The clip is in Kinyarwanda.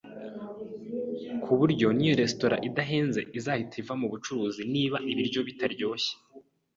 kuburyo niyo resitora idahenze, izahita iva mubucuruzi niba ibiryo bitaryoshye.